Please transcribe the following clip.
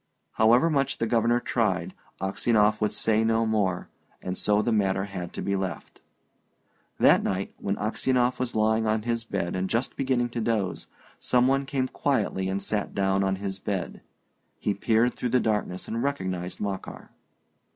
However much the Governor tried, Aksionov would say no more, and so the matter had to be left. That night, when Aksionov was lying on his bed and just beginning to doze, some one came quietly and sat down on his bed. He peered through the darkness and recognised Makar.